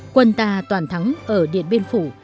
quân ta toàn thắng ở điện biên phủ